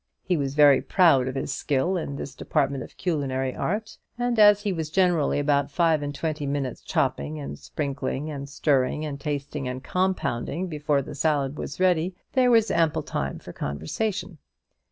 He was very proud of his skill in this department of culinary art, and as he was generally about five and twenty minutes chopping, and sprinkling, and stirring, and tasting, and compounding, before the salad was ready, there was ample time for conversation.